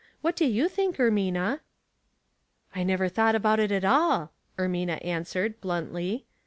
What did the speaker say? What do you think, Ermina ?"" I never thought about it at all," Ermina answered, bluntly.